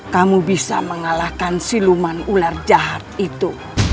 kamu bisa mengalahkan siluman ular jahat itu